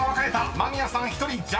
間宮さん１人ジャナイ］